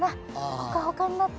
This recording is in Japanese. ほかほかになって。